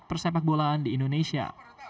persepak bolaan di indonesia